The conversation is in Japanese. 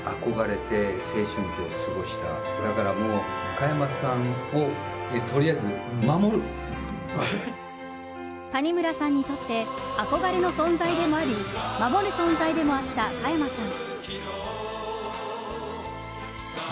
加山さんについて、谷村さんは。谷村さんにとって憧れの存在でもあり守る存在でもあった加山さん。